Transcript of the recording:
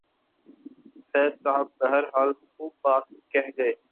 فیض صاحب بہرحال خوب بات کہہ گئے۔